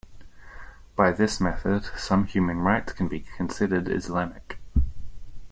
By this method, some human rights can be considered "Islamic".